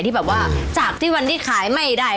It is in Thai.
ที่แบบว่าจากที่วันที่ขายไม่ได้